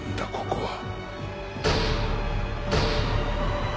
ここは。